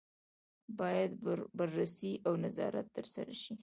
باید بررسي او نظارت ترسره شي.